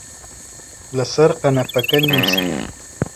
لەسەر قەنەفەکە نووست